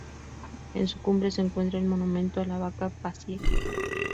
En su cumbre se encuentra el "monumento a la vaca pasiega".